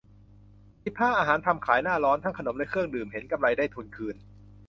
สิบห้า อาหารทำขายหน้าร้อน ทั้งขนมและเครื่องดื่ม เห็นกำไรได้ทุนคืน